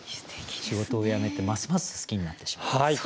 仕事を辞めてますます好きになってしまったっていうね。